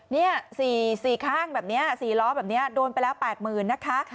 นี่๔ข้างแบบนี้๔ล้อแบบนี้โดนไปแล้ว๘๐๐๐นะคะ